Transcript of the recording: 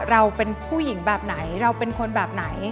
เราเป็นผู้หญิงแบบไหนเราเป็นคนแบบไหน